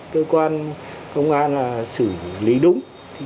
cơ quan công an là xử lý đúng